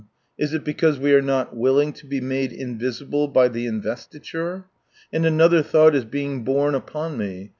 Is it because "we are not willing to be made invisible by the investiture"? And another thought is being borne upon me.